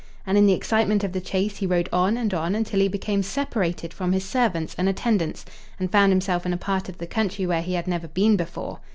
And in the excitement of the chase he rode on and on until he became separated from his servants and attendants, and found himself in a part of the country where he had never been before.